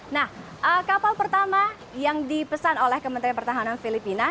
nah kapal pertama yang dipesan oleh kementerian pertahanan filipina